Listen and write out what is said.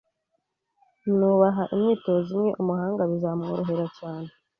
Nubaha imyitozo imwe, umuhanga bizamworohera cyane